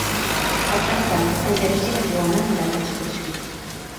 Per Cap d'Any en Genís i na Joana aniran d'excursió.